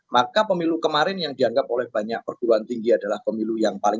maka pemilu kemarin yang dianggap oleh banyak perguruan tinggi adalah pemilu yang paling